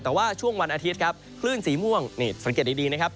แต่ว่าช่วงวันอาทิตย์ครับคลื่นสีม่วงนี่สังเกตดีนะครับ